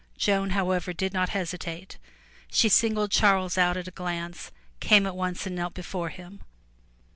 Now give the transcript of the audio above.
Joan however did not hesitate. She singled Charles out at a glance, came at once and knelt before him.